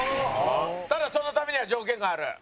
ただそのためには条件がある。